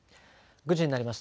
９時になりました。